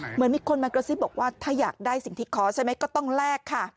เหมือนมีคนมากระซิบบอกว่าถ้าอยากได้สิ่งที่ขอใช่ไหมก็ต้องแลกค่ะ